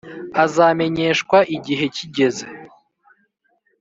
Azamenyeshwa igihe kigeze